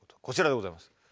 こちらでございます。